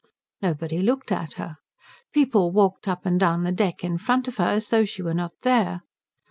Nobody looked at her. People walked up and down the deck in front of her as though she were not there.